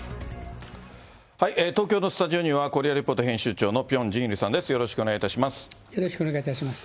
東京のスタジオには、コリア・レポート編集長のピョン・ジンイルさんです、よろしくおよろしくお願いいたします。